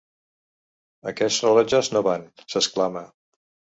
Aquests rellotges no van —s'exclama—.